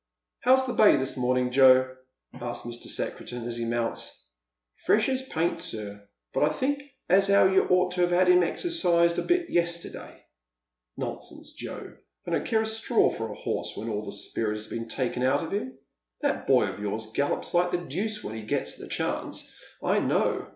" How's the bay this morning, Joe"? " asks Mr. Secretan as he mounts. " Fresh as paint, sir; but 1 thinks as you did ought to have 'ad him hexercised a bit yesterday "" Nonsense, Joe ! I don't care a straw for a horse when all the spirit has been taken out of bim. That boy of yours gallops like the deuce when he gets th»j chance, I know.